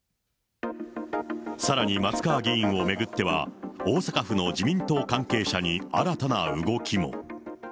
さらに松川議員を巡っては、大阪府の自民党関係者に新たな動きも。